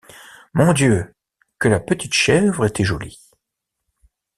Mon Dieu, que la petite chèvre était jolie!